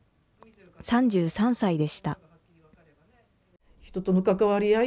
３３歳でした。